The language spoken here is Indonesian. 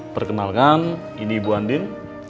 perkenalkan ini bu andin